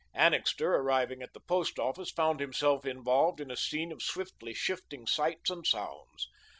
Annixter, arriving at the Post Office, found himself involved in a scene of swiftly shifting sights and sounds.